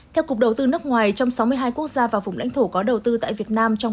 theo cục đầu tư nước ngoài trong sáu mươi hai quốc gia và vùng lãnh thổ có đầu tư tại việt nam